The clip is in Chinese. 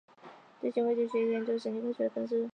对行为及学习的研究都是神经科学的分支。